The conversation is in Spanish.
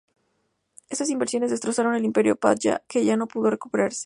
Estas invasiones destrozaron el imperio pandya que ya no pudo recuperarse.